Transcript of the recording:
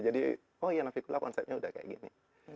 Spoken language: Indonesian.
jadi oh iya navikula konsepnya udah kayak gini